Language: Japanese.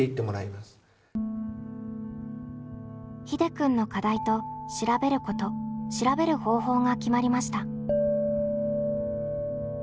ひでくんの「課題」と「調べること」「調べる方法」が決まりました。